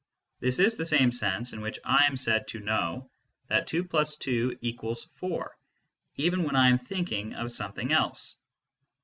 This is the same sense in which I am said to know that 2+2=4 even when I am thinking of something else.